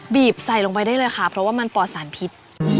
ใส่ลงไปได้เลยค่ะเพราะว่ามันปลอดสารพิษ